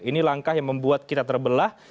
ini langkah yang membuat kita terbelah